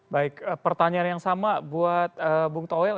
baik pertanyaan yang sama buat bung toel